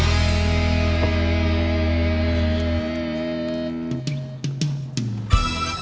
kenapa tidak bisa